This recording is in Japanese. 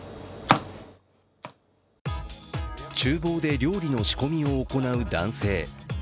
ちゅう房で料理の仕込みを行う男性。